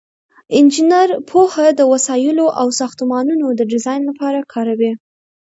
انجینر پوهه د وسایلو او ساختمانونو د ډیزاین لپاره کاروي.